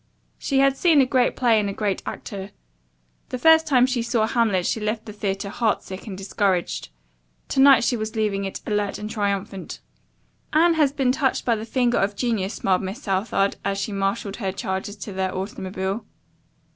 She had seen a great play and a great actor. The first time she saw "Hamlet" she left the theatre heartsick and discouraged. To night she was leaving it alert and triumphant. "Anne has been touched by the finger of Genius," smiled Miss Southard, as she marshaled her charges to their automobile.